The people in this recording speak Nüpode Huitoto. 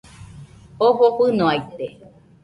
Jofo fɨnoaite